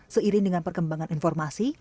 seiring dengan perkembangan informasi